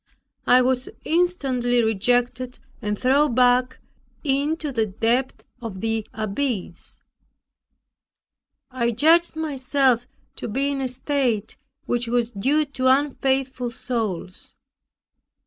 I was instantly rejected and thrown back into the depth of the abyss; I judged myself to be in a state which was due to unfaithful souls.